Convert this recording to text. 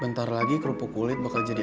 bentar lagi kerupuk kulit bakal jadi